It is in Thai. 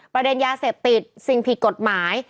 ประเด็นยาเสพติดสิ่งผิดกฎหมาย